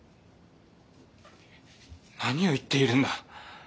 何を言っているんだ？